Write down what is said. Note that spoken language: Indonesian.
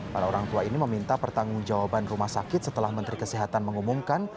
para orang tua ini meminta pertanggung jawaban rumah sakit setelah menteri kesehatan mengumumkan